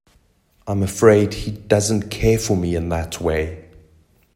I'm afraid he doesn't care for me in that way.